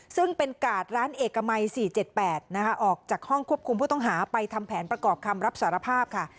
ซึ่งเป็นกาดร้านเอกมัย๔๗๘นะคะออกจากห้องควบคุมผู้ต้องหาไปทำแผนประกอบคำรับสารภาพค่ะ